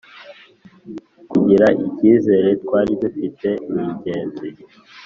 kugira icyizere twari dufite ningenzi